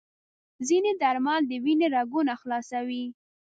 ځینې درمل د وینې رګونه خلاصوي.